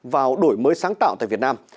vào đổi mới sáng tạo tại việt nam